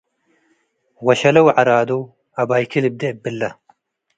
ወሸሌ ወዐራዶ - አባይኪ ልብዴ እብለ